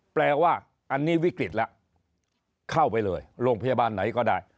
แปลว่าอันนี้วิกฤตแล้วเข้าไปเลยโรงพยาบาลไหนก็ได้